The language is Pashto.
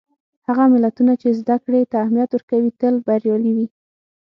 هغه ملتونه چې زدهکړې ته اهمیت ورکوي، تل بریالي وي.